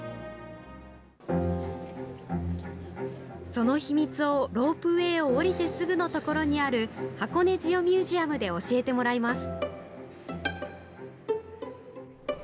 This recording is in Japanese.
その秘密をロープウエーを降りてすぐのところにある箱根ジオミュージアムで教えてもらいます。